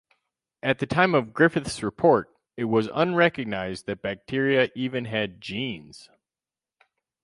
At the time of Griffith's report, it was unrecognized that bacteria even had genes.